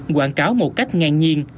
quảng cáo một cách ngang nhiên